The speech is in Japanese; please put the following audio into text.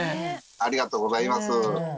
ありがとうございます。